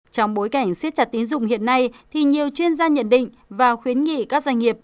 trong bối cảnh siết chặt tín dụng hiện nay thì nhiều chuyên gia nhận định và khuyến nghị các doanh nghiệp